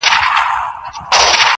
هر توري چي یې زما له شوګیری سره ژړله!